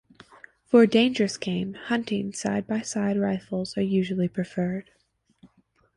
For dangerous game hunting, side by side rifles are usually preferred.